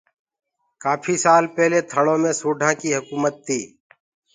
ڪآڦي سآل پيلي ٿݪو مي سوڍآ ڪي هڪومت تي